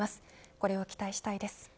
これを期待したいです。